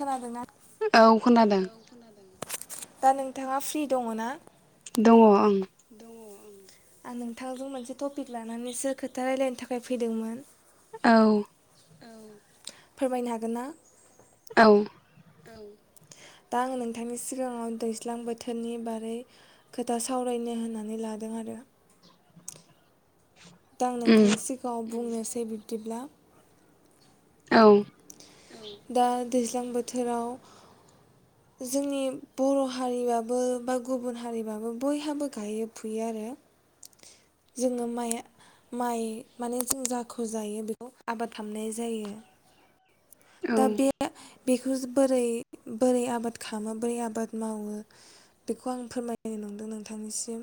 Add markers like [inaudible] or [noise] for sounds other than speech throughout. खोनादोंना। औ खोनादों। दा नोंथाङा फ्रि दङ ना। दंङ ओं। आं नोंथांजों मोनसे टपिक लानानैसो खोथा रायलायनो थाखाय फैदोंमोन। औ। औ फोरमायनो हागोन ना। बुं। औ दा आं नोंथांनि सिगाङाव दैज्लां बोथोरनि बारै खोथा सावरायनो होननानै लादों आरो। दा आं नोंथांनि सिगाङाव। बुंनोसै बिब्दिब्ला। औ। दा दैज्लां बोथोराव जोंनि बर हारिबाबो बा गुबुन हारिबाबो बयहाबो गायो फुयो आरो। जोंङो माइ माइ माने जों जाख जायो बेखौ आबाद खालामनाय जायो। औ। बेखौ बोरै बोरै आबाद खालामो बोरै आबाद मावो बेखौ आं फोरमायनो नंदों नोंथांनिसिम।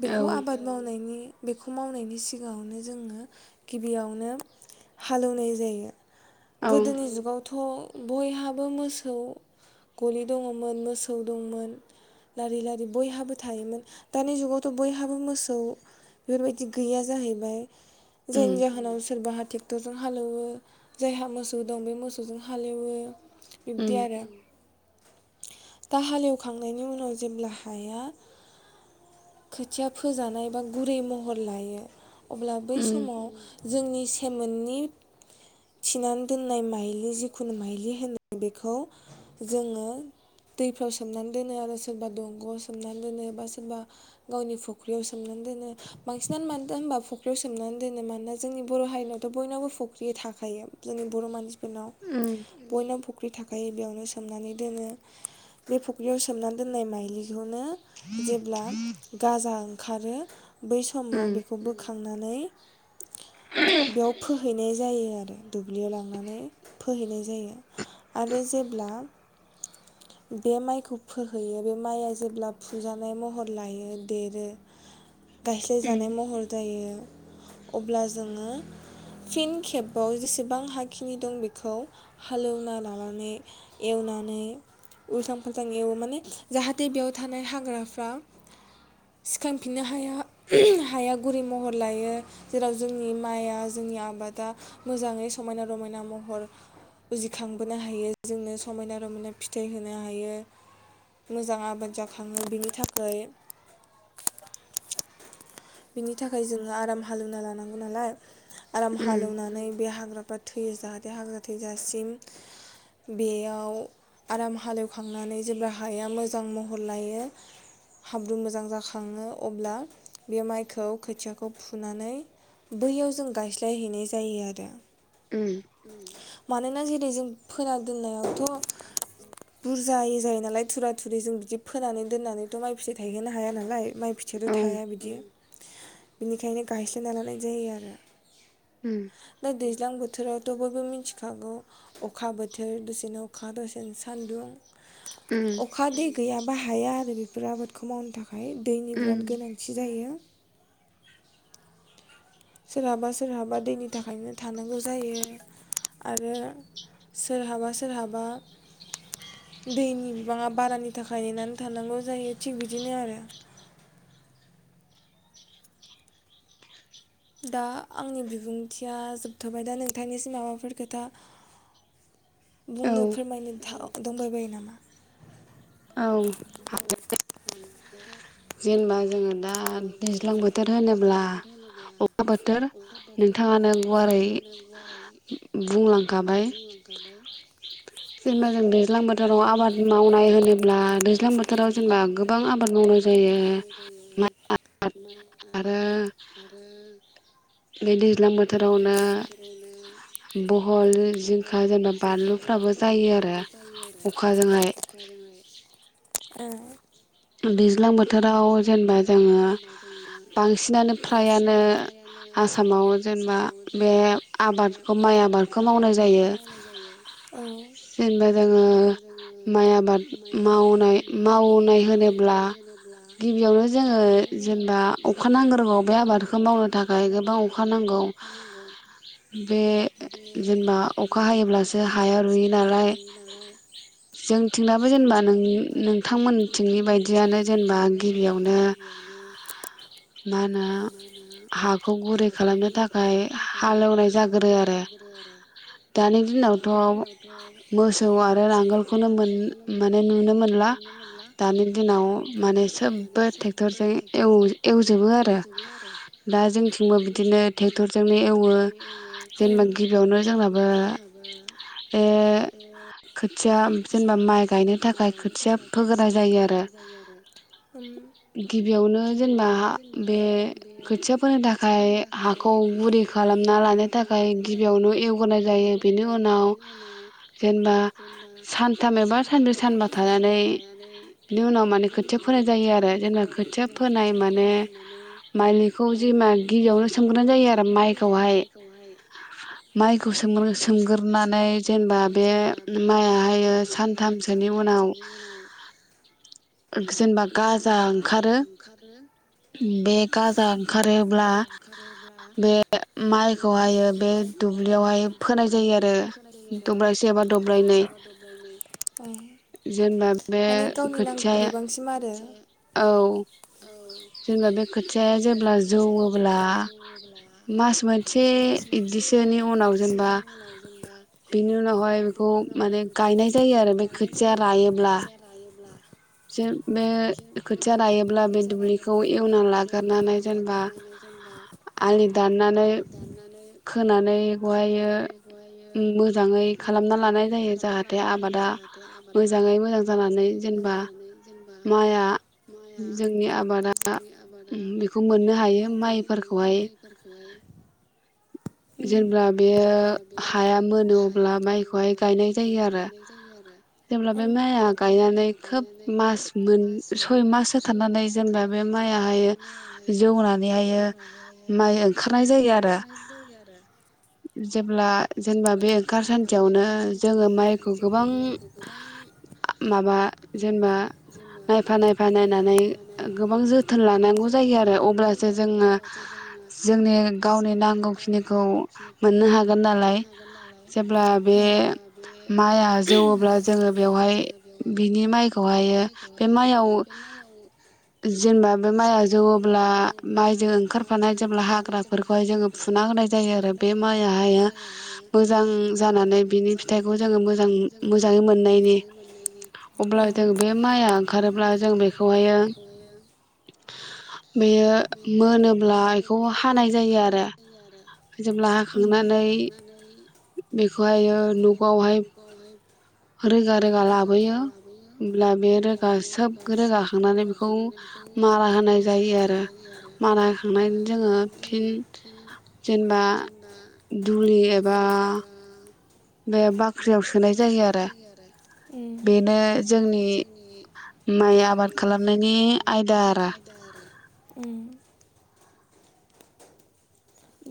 बेखौ आबाद मावनायनि। बेखौ मावनायनि सिगाङावनो जोंङो गिबियावनो हालेवनाय जायो। गोदोनि जुगावथ बयहाबो मोसौ गलि दंङमोन मोसौ दंमोन लारि लारि बयहाबो थायोमोन दानि जुगावथ बयहाबो मोसौ बेफोरबायदि गैया जाहैबाय। जायनि जाहोनाव सोरबाहा। ट्रेक्टरजों हालौवो जायहा मोसौ। दं बे मोसौजों हालेवो। बिब्दि आरो। दा हालेवखांनायनि उनाव जेब्ला हाया खोथिया फोजानाय बा गुरै महर लायो अब्ला बै समाव जोंनि सेमोननि थिनानै। दोननाय माइलि जिखुनु माइलि होनो बेखौ जोंङो दैफ्राव सोमनानै दोनो आरो सोरबा दंगआव सोमनानै दोनो बा सोरबा गावनि फख्रियाव सोमनानै दोनो बांसिनानो मानोथ होनबा फख्रियाव सोमनानै दोनो मानोना जोंनि बर हारिनावथ बयनावबो फख्रि थाखायो। जोंनि बर मानसि। बयनावबो फुख्रि थाखायो। बेयावनो सोमनानै दोनो बे फख्रियाव सोमनानै दोननाय माइलि। बेखौनो जेब्ला गाजा ओंखारो। बै समाव बेखौ बोखांनानै। बेयाव खो हैनाय जायो आरो। दुब्लियाव लांनानै फोहैनाय जायो आरो जेब्ला बे माइखौ फोहैयो बे माइआ जेब्ला फुजानाय महर लायो देरो। गायस्लायजानाय महर जायो। अब्ला जोङो फिन खेबाव जेसेबां। गोबां हाखिनि दं बेखौ हालेवना लानानै एवनानै उल्थां फाल्थां एवो माने जाहाथे बेयाव थानाय हाग्राफ्रा सिखांफिननो हाया हाया गुरै महर लायो जेराव जोंनि माइआ जोंनि आबादा मोजाङै। समायना रमायना महर उजिखांबोनो हायो जोंनो समायना रमायना फिथाइ होनो हायो मोजां आबाद जाखाङो बिनि थाखाय। बिनि थाखाय जोङो आराम हालेवना लानांगौ नालाय। आराम हालेवनानै बे हाग्रा बा। थैयो जाहाथे हाग्रा थैजासिम बेयाव आराम हालेवखांनानै जेब्ला हाया मोजां महर लायो हाब्रु मोजां जाखाङो अब्ला। बे माइखौ खोथियाखौ फुनानै बैयाव जों गायस्लायहैनाय जायो आरो। [unintelligible] मानोना जेरै जों फोना दोननायावथ' बुरजायै जायो नालाय थुरा थुरि जों बिदि फोनानै दोननानैथ' माइ फिथाइ थायहोनो हाया नालाय माइ। खिथि थाया बि बिनिखायनो गायस्लायना लानाय जायो आरो। दा दैज्लां बो। बोथोरावथ' बयबो मिथिखागौ अखा बोथोर दसेनो अखा दसेनो सान्दुं। अखा दै। गैयाबा हाया आरो बेफोर आबादखौ मावनो थाखाय। आ दैनि बिराद गोनां बेयो। सोरहाबा सोरहाबा दैनि थाखायनो थानांगौ जायो आरो सोरहाबा सोरहाबा दैनि बिबाङा बारानि थाखाय नेनानै थानांगौ जायो थिग बिदिनो आरो। दा आंनि बिबुंथिया जोबथ'बाय दा नोंथांनिसिम माबाफोर खोथा बुंनो फोरमायनो दंबायबायो नामा। औ। जेनबा। जोङो दा दैज्लां बोथोर होनोब्ला अमा बोथोर नोंथाङानो गुवारै बुंलांखाबाय जेनेबा जों। दैज्लां बोथोराव आबाद मावनाय होनोब्ला दैज्लां बोथोराव जोंब्ला गोबां आबाद मावनो। जायो [unintelligible] आरो। बे दैज्लां बोथोरावनो बहल जिंखा जेनेबा बानलुफ्राबो जायो आरो अखाजोंहाय। ओ। बे। दैज्लां बोथोराव जेनेबा जोंओ बांसिनानो फ्रायानो आसामाव जेनेबा बे आबादखौ माइ आबादखौ मावनाय जायो जेनेबा जोङो माइ आबाद मावनाय मावनाय। गिबियावनो जोङो जेनेबा अखा नांग्रोगौ बे आबादखौ मावनो थाखाय गोबां अखा नांगौ बे जेनेबा अखा हायोब्लासो हाया रुयो नालाय जों थिंनाबो जेनेबा नोंथांमोननिथिंनि बायदि। यानो दियानो जेबा गिबियावनो मा होनो हाखौ गुरै खालामनो थाखाय हालोवनाय जागोरो आरो दानि दिनावथ' मोसौ आरो नांगोलखौनो मोन माने नुनो मोनला। दानि दानि दिनाव माने सोबबो ट्रेक्टरजों एवो एवजोबो आरो दा जोंथिंबो बिदिनो ट्रेक्टरजोंनो एवो जेनेबा गिबियावनो जङबा आ ए खोथिया जेनेबा माइ गायनो थाखाय खोथिया फोग्रोनाय‌ गिबियावनो जेनेबा बे खोथिया फोनो थाखाय हाखौ गुरै खालामना लानो थाखाय गिबियावनो एवगोरनाय जायो। बेनि उनाव जेनेबा सानथाम एबा सानब्रै, सानबा थानानै बिनि उनाव माने खोथिया फोनाय जायो आरो जेनबना खोथिया फोनाय मा माने माइलिखौ जेमा गिबियावनो सोमग्रोनाय जायो आरो माइखौहाय। माइखौ सोमग्रो सोमग्रोनानै जेनबा बे माइआहाय ओ सानथामसोनि उनाव [inaudible] जेनबा गाजा ओंखारो बे गाजा ओंखारोब्ला बे माइखौहायो बे दुब्लियावहाय फोनाय जायो आरो दब्लायसे एबा दब्लायनै जेनबा बे गावनि नांगौ बिबांसि औ जेनेबा बे खोथियाया जेब्ला जौवोब्ला मास मोनसे इदिसोनि उनाव जेनबा बेनि उनावहाय बेखौ माने गायनाय जायो आरो बे खोथिया रायोब्ला। [unintelligible] सेम बे खोथिया रायोब्ला बे दुब्लिखौ एवना लागोरनानै जेनबा आलि दाननानै, खोनानै गहायो ओम मोजाङै खालामना लानाय जायो जाहाथे आबादा मोजाङै मोजां जानानै जेनबा माइआ जोंनि आबादा बेखौ मोननो हायो माइफोरखौहाय। जेनब्ला बेयो हाया मोनो अब्ला माइखौहाय गायनाय जायो आरो। जेनब्ला बे माइआ गायनानै खोब मास मोन सय माचसो थानानै जेनबा बे माइआहाय जौनानैहायो माइ ओंखारनाय जायो आरो। जेब्ला जेनबा बे ओंखार सान्दियावनो जोङो माइखौ गोबां माबा जेनेबा नायफा नायफा नायनानै ओ गोबां जोथोन लानांगौ जायो आरो। अब्लासो जोङो जोंनि गावनि नांगौखिनि खौ मोननो हागोन नालाय जेब्ला बे माइआ जौवोब्ला जोङो बेवहाय बिनि माइखौ दायो बे माइ'आव जेनबा बे माइ'आ जौवोब्ला माइजों ओंखारफानाय जेब्ला हाग्राफोरखौ हाइ जोङो फुना होनाय [unintelligible] औ बे माइआ ओंखारोब्ला जों बेखौहायो बेयो मोनोब्ला एखौ हानाय जायो आरो। जेब्ला हाखांनानै बेखौहायो न'बावहाय रोगा रोगा लाबोयो होनब्ला होमब्ला बे रोगा सोबखो रोगाखांनानै बेखौ मारा होनाय जायो आरो। मारा होखांनायनि उनाव फिन जेनबा दुरि एबा उम जोंनि मै आबाद खालामनायनि आयदा आरो उम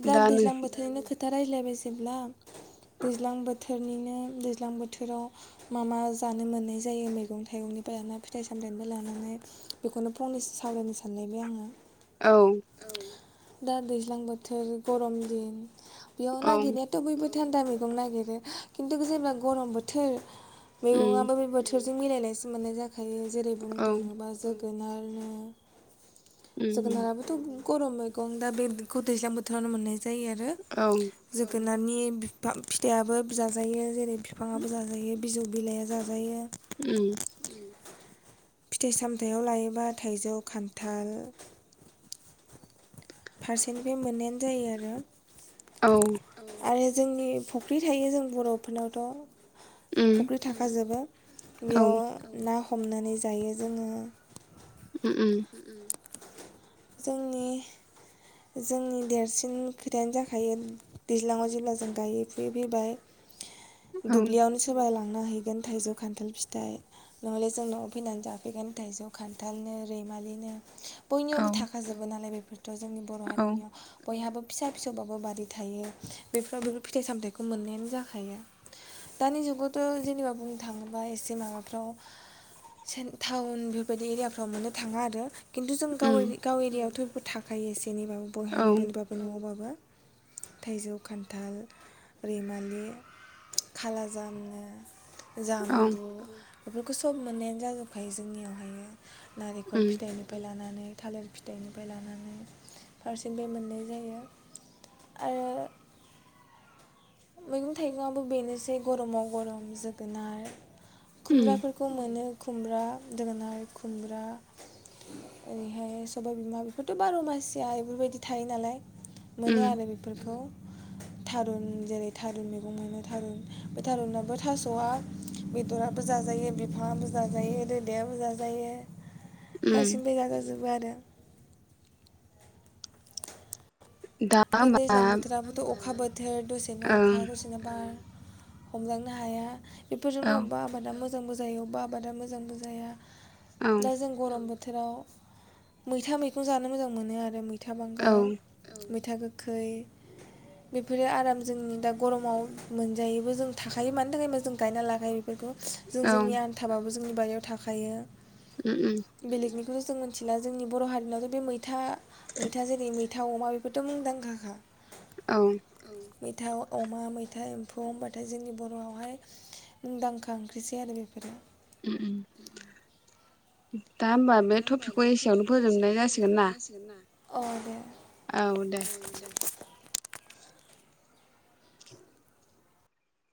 दा दैज्लां बोथोरनो खो दा रायज्लायबाय जेब्ला दैज्लां बोथोरनिनो दैज्लां बोथोराव मा मा जानो मोननाय जायो मैगं थाइगंनिबो लाना फिथाइ सामथायाइनिबो लानानै बेखौनो फंनैसो सावरायनो सानलायबाय आङो। औ दा दैज्लां बो थोर गरम दिन बेयाव नागिरनायाथ' बयबो थान्दा मैगं नागिरो खिन्थु जेब्ला गरम बोथोर मैगंयाबो बे बोथोर जों मिलायनायसो मोननाय जाखा यो जेरै बुंनो थाङोबा जोग गोनारनो जोगोनाराबोथ' गरम मैगं दा बेद गुद दैज्लां बोथोरावनो मोननाय जायो आरो जोगोन नारनि बिफां फिथाइयाबो जाजायो जेरै फिफाङाबो जाजायो बिजौ बिलाइआ जाजायो। उम फिथाइ सामथाइयाव लायोबा थाइजौ, खान्थाल पारसेन्टबे मोननायानो जायो आरो। आरो जोंनि फुख्रि थायो जों बर'फोरनावथ' फुख्रि थाखाजोबो बेयाव ना हमनानै जायो जोङो। उम उम। जोंनि जोंनि देरसिन खोथायानो जाखायो दैज्लाङाव जेब्ला जों गायै फुयै फैबाय दुब्लियावनो सोबाय लां ना हैगोन थाइजौ, खान्थाल फिथाइ नङालाय जोंनाव फैनानै जाफैगोन थाइजौ खान्थालनो रैमालिनो बयनियावबो थाख मोनालाय बेफोर थ' जोंनि बर' हारिनियाव बयहाबो फिसा फिसौबाबो बारि थायो बेफोराव बेफोर फिथाइ सामथाइखौ मोननायानो जाखायो दानि जुगावथ' जेनेबा बुंनो थाङोबा एसे माबाफ्राव टाउन बेफोरबायदि एरियाफ्राव मोननो थाङा आरो। खिन्थु जों गावनि बे बेयावथबो थाखायो एसे जेनेबा बयहानि बबाबो नआवबाबो थाइजौ खान्थाल रैमालि खाला जाम जामबुं बेफोरखौ सब मोननायानो जाजोबखायो जोंनियावहायो नारेंखल फिथाइनिफ्राय लानानै थालिर फिथाइनिफ्राय लानानै फारसेनिफ्राय मोननाय जायो आरो मैगं थाइगंआबो बेनोसै गरमाव गरम जोगोनार खुमब्राफोरखौ मोनो। खुमब्रा जोगोनार खुमब्रा ओरैहाय सबाय बिमा बेफोरथ बार मासिया बेफोरबायदि थायो नालाय मोनो आरो बेफोरखौ थारुन जेरै- थारुन मैगं मोनो थारुन बे थारुनाबो थासआ बेदराबो जाजायो बिफाङाबो जाजायो रोदायाबो जाजायो बांसिन बेैगाजोब बो आरो दा दैज्लां बोथोराबोथ अखाबो बोथोर दसेनो अखा दसेनो बार हमलांनो हाया बेफोरजोंनो अबा आबादा मोजां मोजांबो जायो अबा आबादा मोजांबो जाया दा जों गरम बो थोराव मैथा मैगं जानो मोजां मोनो आरो मै मैथा बांगाल मै था गोखै बेफोरो आराम जों दा गरमाव मोनजायोबो जों थाखायो मानि थाखायबा जों गायना लाखायो बे जों जोंनि आनथाबाबो जों बारियाव थाखायो उम उम बेथ जों मिथिला जों बर हारिनावथ बे मै था मैथा जेरै- मैथा था अमा बेथ मुंदांखाखा मैथा अमा मैथा एम्फौ होनबाथाय जोंनि बरआवहाय मुंदांखा ओंख्रिसै आरो बेफोरो उम उम दा होमबा बे टपिकखौ एसेयावनो फोजोबनाय जासिगोन ना औ दे।